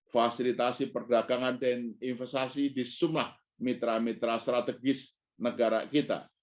fasilitasi perdagangan dan investasi di sumlah mitra mitra strategis negara kita